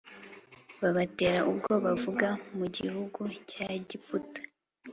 babatera ubwo bavaga mu gihugu cya Egiputa